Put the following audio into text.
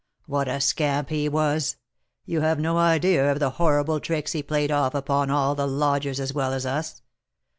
What a scamp he was! You have no idea of the horrible tricks he played off upon all the lodgers as well as us.